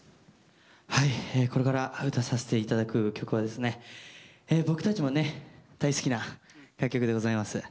これから歌わさせていただく曲は僕たちも大好きな楽曲でございます。